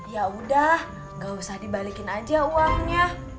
ya udah gak usah dibalikin aja uangnya